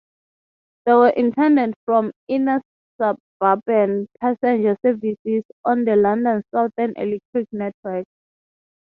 They were intended for inner suburban passenger services on London's Southern Electric network.